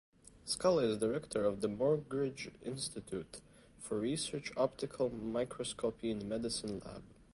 Skala is Director of the Morgridge Institute for Research Optical Microscopy in Medicine Lab.